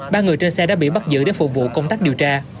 ba người trên xe đã bị bắt giữ để phục vụ công tác điều tra